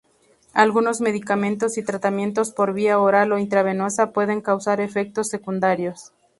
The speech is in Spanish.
Algunos medicamentos y tratamientos por vía oral o intravenosa pueden causar efectos secundarios.